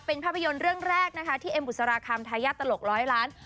เป็นภาพยนตร์เรื่องแรกนะคะที่เอ็มบุษราคำทายาทตลกร้อยล้าน